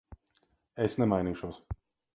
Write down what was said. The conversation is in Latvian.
Es nemainīšos.